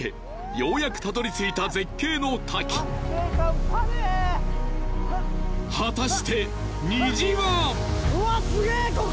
ようやくたどり着いた絶景の滝果たして虹は⁉うわっすげえここ！